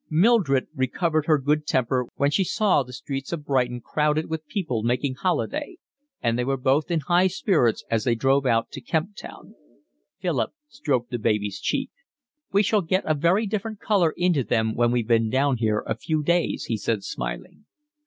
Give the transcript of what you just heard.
Mildred recovered her good temper when she saw the streets of Brighton crowded with people making holiday, and they were both in high spirits as they drove out to Kemp Town. Philip stroked the baby's cheek. "We shall get a very different colour into them when we've been down here a few days," he said, smiling.